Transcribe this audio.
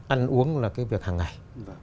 ăn uống là cái việc hàng ngày